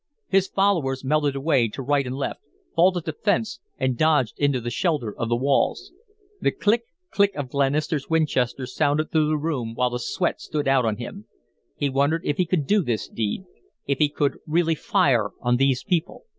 His followers melted away to right and left, vaulted the fence, and dodged into the shelter of the walls. The click, click of Glenister's Winchester sounded through the room while the sweat stood out on him. He wondered if he could do this deed, if he could really fire on these people.